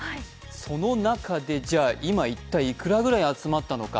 その中で、じゃあ、今、一体いくらぐらい集まったのか？